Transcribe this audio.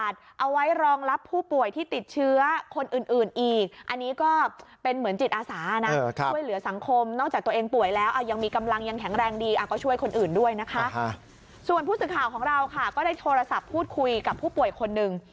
ส่วนผู้สื่อข่าวของเราค่ะก็ได้โทรศัพท์พูดคุยกับผู้ป่วยคนหนึ่ง